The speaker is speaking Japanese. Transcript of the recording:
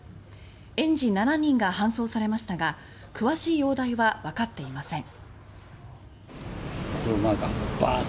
園児７人が搬送されましたが詳しい容体は分かっていません。